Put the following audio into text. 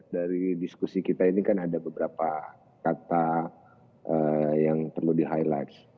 dari diskusi kita ini kan ada beberapa kata yang perlu di highlight